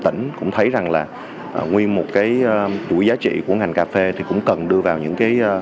tỉnh cũng thấy rằng là nguyên một cái chuỗi giá trị của ngành cà phê thì cũng cần đưa vào những cái